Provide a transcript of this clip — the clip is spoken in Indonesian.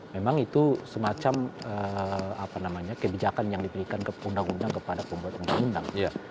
memang itu semacam kebijakan yang diberikan ke undang undang kepada pembuat undang undang